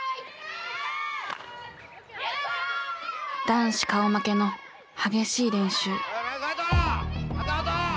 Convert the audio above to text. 男子顔負けの激しい練習。